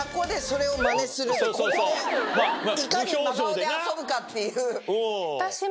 いかに真顔で遊ぶかっていう。